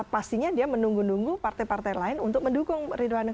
pastinya dia menunggu nunggu partai partai lain untuk mendukung ridwan